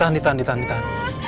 ya ditahan ditahan ditahan